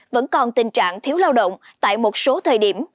vẫn còn tình trạng thiếu lao động tại một số thời điểm